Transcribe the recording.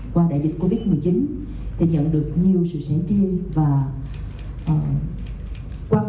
qua đại dịch covid một mươi chín thì nhận được nhiều sự sẻ chia và quan